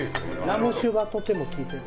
ラム酒がとても利いてる。